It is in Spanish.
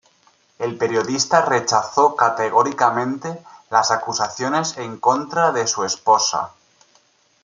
El periodista rechazó categóricamente las acusaciones en contra de su esposa.